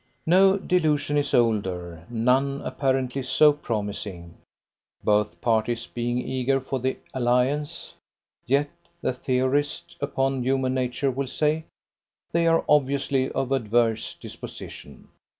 No delusion is older, none apparently so promising, both parties being eager for the alliance. Yet, the theorist upon human nature will say, they are obviously of adverse disposition.